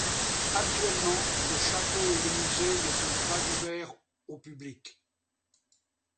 Actuellement, le château et le musée ne sont pas ouverts au public.